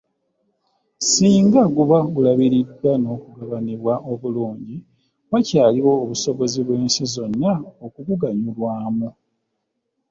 Singa guba gulabiriddwa n’okugabanibwa obulungi, wakyaliwo obusobozi bw’ensi zonna okuguganyulwamu.